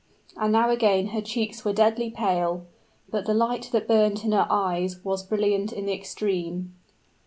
And now again her cheeks were deadly pale; but the light that burned in her eyes was brilliant in the extreme.